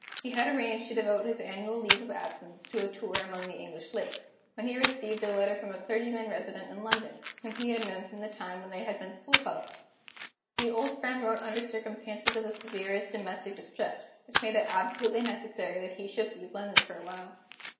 He had arranged to devote his annual leave of absence to a tour among the English Lakes, when he received a letter from a clergyman resident in London, whom he had known from the time when they had been school fellows. This old friend wrote under circumstances of the severest domestic distress, which made it absolutely necessary that he should leave London for a while.